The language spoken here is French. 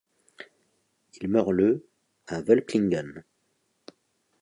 Il meurt le à Völklingen.